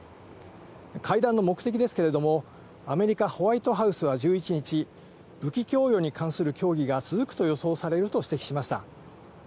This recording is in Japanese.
会談の目的ですけれども、アメリカ・ホワイトハウスは１１日、武器供与に関する協議が続くと予想されると指摘しました。